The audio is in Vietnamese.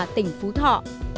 tỉnh phú thọ